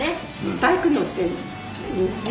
バイク乗ってるの。ね？